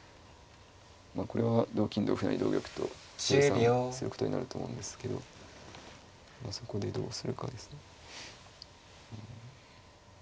これは同金同歩成同玉と清算することになると思うんですけどそこでどうするかですね。